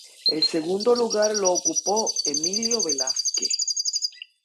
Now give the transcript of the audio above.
El segundo lugar lo ocupó Emilio Velázquez.